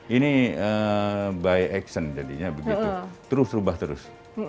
ini by action jadinya terus terus